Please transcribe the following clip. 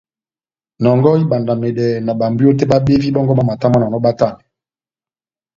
Nɔngɔhɔ ibandamedɛ na bámbwiyo tɛ́h bábevi bɔ́ngɔ bamatamwananɔ batanɛ.